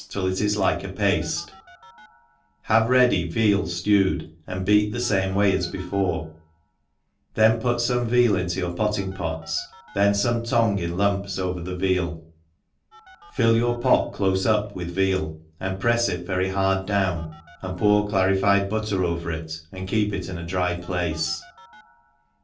tillit is like a paile, have ready veai ftewcd ana bcaj the fame way as before, then put fome veal into your potting pots, then fome tongue in lumps over the veal : fill your pot clofe up with veal, and prefs it very hard down, and pour cla rified butter over it, and keep it in a dry place.